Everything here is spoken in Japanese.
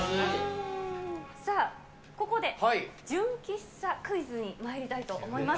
さあ、ここで純喫茶クイズにまいりたいと思います。